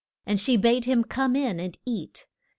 And she bade him come in and eat.